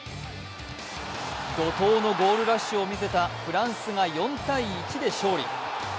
怒とうのゴールラッシュを見せたフランスが４−１で勝利。